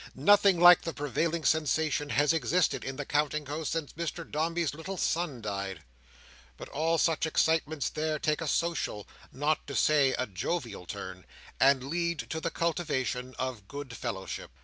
Nothing like the prevailing sensation has existed in the Counting House since Mr Dombey's little son died; but all such excitements there take a social, not to say a jovial turn, and lead to the cultivation of good fellowship.